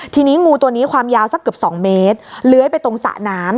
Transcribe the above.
ทีนี้งูตัวนี้ความยาวสักเกือบ๒เมตรเลื้อยไปตรงสระน้ำ